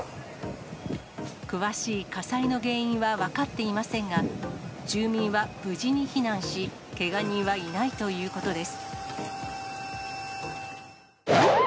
詳しい火災の原因は分かっていませんが、住民は無事に避難し、けが人はいないということです。